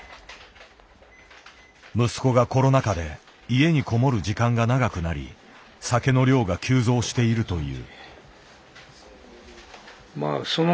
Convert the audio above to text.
息子がコロナ禍で家に籠もる時間が長くなり酒の量が急増しているという。